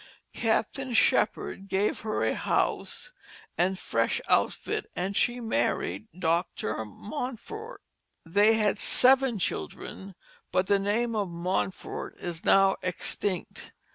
Captain Shepherd gave her a house and fresh outfit, and she married Dr. Mountfort. They had seven children, but the name of Mountfort is now extinct.